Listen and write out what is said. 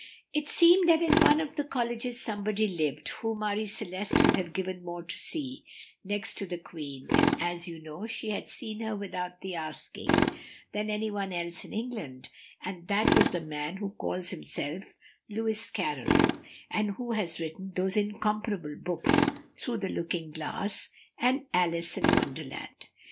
It seemed that in one of the colleges somebody lived who Marie Celeste would have given more to see, next to the Queen (and, as you know, she had seen her without the asking), than any one else in England, and that was the man who calls himself Lewis Carroll, and who has written those incomparable books, "Through the Looking Glass" and "Alice in Wonderland."